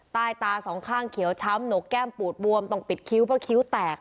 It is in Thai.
ใต้ตาสองข้างเขียวช้ำหนกแก้มปูดบวมต้องปิดคิ้วเพราะคิ้วแตก